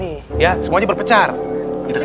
istilah itu improper dari kertas